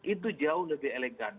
itu jauh lebih elegan